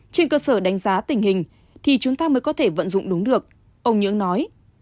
trên cơ sở đánh giá tình hình thì chúng ta mới có thể vận dụng đúng được ông nhưỡng nói